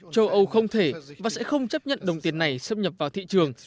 châu âu không thể và sẽ không chấp nhận đồng tiền này xâm nhập vào thị trường